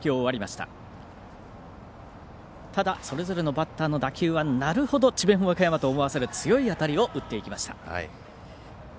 ただそれぞれのバッターの打球はなるほど、智弁和歌山と思わせる強い当たりを打っていきました。